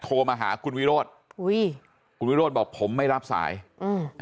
โทรมาหาคุณวิโรธอุ้ยคุณวิโรธบอกผมไม่รับสายอืม